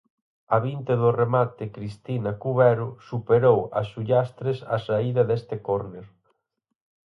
A vinte do remate Cristina Cubero superou a Sullastres á saída deste córner.